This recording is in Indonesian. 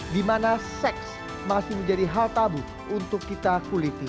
dimana seks masih menjadi hal tabu untuk kita kuliti